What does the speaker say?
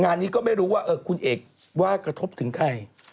งานนี้ก็ไม่รู้ว่าคุณเอกว่ากระทบถึงใคร